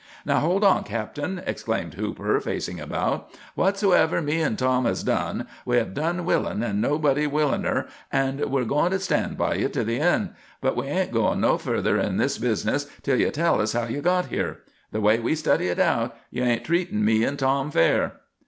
"Now, hold on, captain," exclaimed Hooper, facing about. "Whatsoever me and Tom has done, we have done willin', and nobody willin'er, and we're goin' to stand by ye to the end; but we ain't goin' no further in this business till you tell us how ye got here. The way we study hit out, you ain't treatin' me and Tom fair."